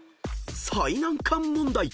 ［最難関問題。